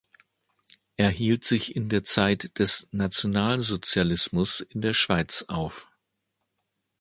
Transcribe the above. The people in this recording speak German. Er hielt sich in der Zeit des Nationalsozialismus in der Schweiz auf.